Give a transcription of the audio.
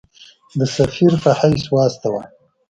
د سفیر په حیث واستاوه.